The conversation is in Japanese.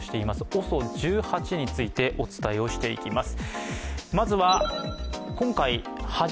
ＯＳＯ１８についてお伝えしていきます。